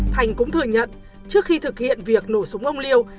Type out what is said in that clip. thành cũng thừa nhận trước khi thực hiện việc nổ súng ông liêu